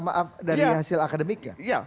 maaf dari hasil akademiknya